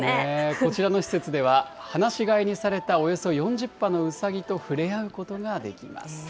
こちらの施設では、放し飼いにされたおよそ４０羽のうさぎと触れ合うことができます。